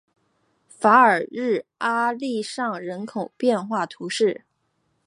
法尔日阿利尚人口变化图示